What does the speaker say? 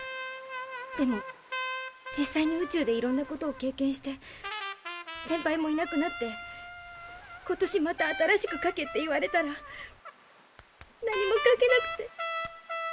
でも実際に宇宙でいろんなことを経験してセンパイもいなくなって「今年また新しく書け」って言われたら何も書けなくて。